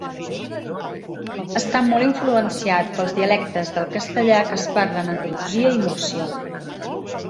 Està molt influenciat pels dialectes del castellà que es parlen a Andalusia i Múrcia.